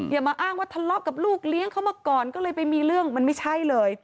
อย่ามาอ้างว่าทะเลาะกับลูกเลี้ยงเขามาก่อนก็เลยไปมีเรื่องมันไม่ใช่เลย